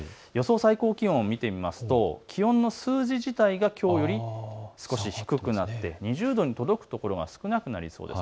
最高気温を見てみると気温の数字自体がきょうより少し低くなって２０度に届くところが少なくなりそうです。